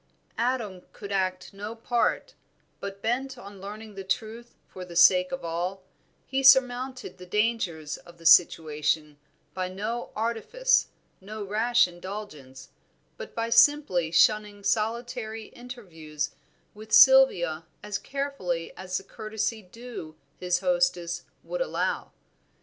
Adam could act no part, but bent on learning the truth for the sake of all, he surmounted the dangers of the situation by no artifice, no rash indulgence, but by simply shunning solitary interviews with Sylvia as carefully as the courtesy due his hostess would allow.